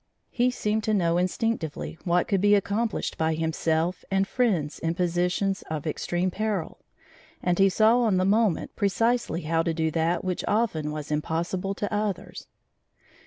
He seemed to know instinctively what could be accomplished by himself and friends in positions of extreme peril, and he saw on the moment precisely how to do that which often was impossible to others.